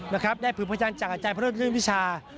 นะครับได้ผิดพระอาจารย์จากอาจารย์พระโรธเรื่องวิชา